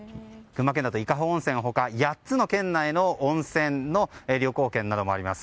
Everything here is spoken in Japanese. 群馬県だと伊香保温泉他８つの県内の温泉の旅行券などもあります。